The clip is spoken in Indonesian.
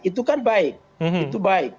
itu kan baik itu baik